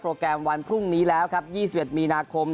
แกรมวันพรุ่งนี้แล้วครับ๒๑มีนาคม